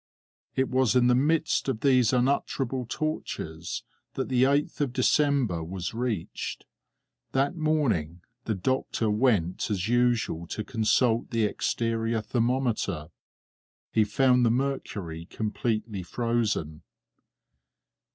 It was in the midst of these unutterable tortures that the 8th of December was reached. That morning the doctor went as usual to consult the exterior thermometer. He found the mercury completely frozen.